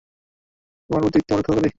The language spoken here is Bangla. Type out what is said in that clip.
তোমার প্রতীক, তোমার রক্ষাকারী।